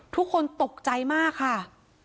ทุกคนตกใจมากค่ะ